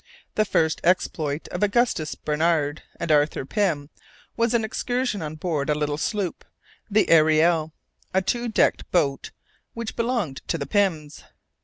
The first exploit of Augustus Barnard and Arthur Pym was an excursion on board a little sloop, the Ariel, a two decked boat which belonged to the Pyms.